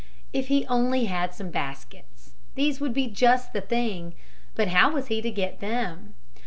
If he only had some baskets. These would be just the thing. But how was he to get them?